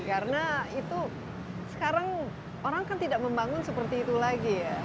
karena itu sekarang orang kan tidak membangun seperti itu lagi ya